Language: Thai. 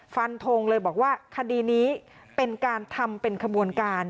ฟันทงเลยบอกว่าคดีนี้เป็นการทำเป็นขบวนการ